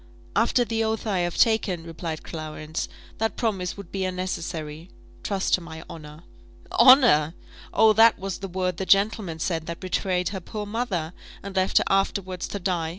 "After the oath I have taken," replied Clarence, "that promise would be unnecessary. Trust to my honour." "Honour! Oh, that was the word the gentleman said that betrayed her poor mother, and left her afterwards to die.